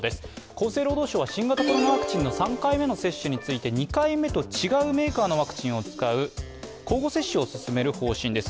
厚生労働省は新型コロナワクチンの３回目の接種について２回目と違うメーカーのワクチンを使う交互接種を進める方針です。